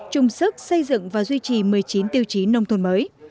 trung sức xây dựng và duy trì một mươi chín tiêu chí nông thôn mới